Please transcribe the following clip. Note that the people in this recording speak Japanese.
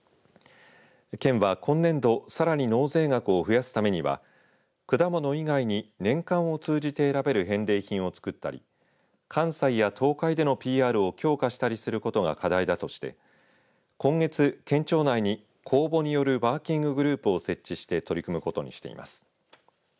県は今年度さらに納税額を増やすためには果物以外に年間を通じて選べる返礼品を作ったり関西や東海でのＰＲを強化したりすることが課題だとして今月、県庁内に公募によるワーキンググループを設置して取り組むことにしています。